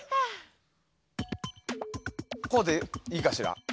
こうでいいかしら。